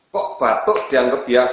kok batuk dianggap biasa